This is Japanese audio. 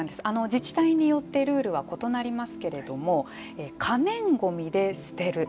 自治体によってルールは異なりますけれども可燃ゴミで捨てる。